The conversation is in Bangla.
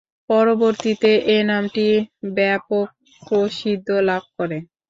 পরবর্তীতে এ নামটি ব্যাপক প্রসিদ্ধি লাভ করে।